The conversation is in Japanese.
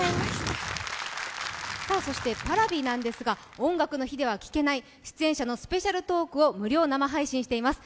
そして、Ｐａｒａｖｉなんですが、「音楽の日」では聴けない出演者のスペシャルトークを無料生配信しています。